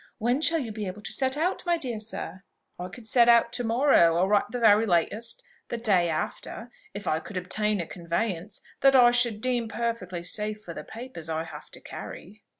When shall you be able to set out, my dear sir?" "I could set out to morrow, or, at the very latest, the day after, if I could obtain a conveyance that I should deem perfectly safe for the papers I have to carry."